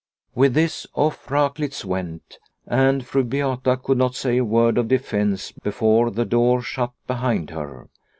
With this, off Raklitz went, and Fru Beata could not say a word of defence before the door shut behind her.